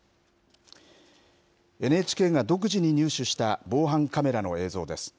ＮＨＫが独自に入手した防犯カメラの映像です。